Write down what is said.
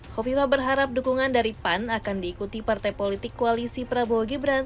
kofifa berharap dukungan dari pan akan diikuti partai politik koalisi prabowo gibran